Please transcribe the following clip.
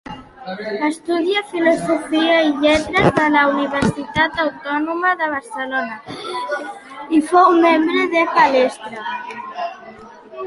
Estudià filosofia i lletres a la Universitat Autònoma de Barcelona i fou membre de Palestra.